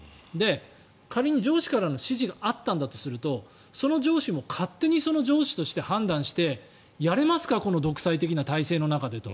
仮に上司からの指示があったんだとするとその上司も勝手にその上司として判断してやれますかこの独裁的な体制の中でと。